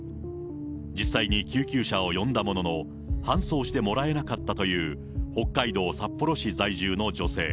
実際に救急車を呼んだものの、搬送してもらえなかったという北海道札幌市在住の女性。